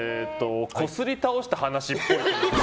こすり倒した話っぽい。